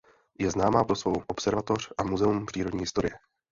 Je známá pro svou observatoř a muzeum přírodní historie.